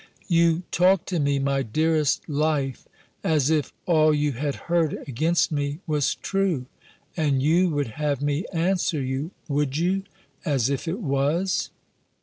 "You talk to me, my dearest life, as if all you had heard against me was true; and you would have me answer you, (would you?) as if it was."